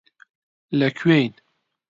لەکوێین؟